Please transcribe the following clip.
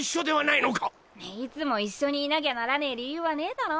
いつも一緒にいなきゃならねえ理由はねえだろ。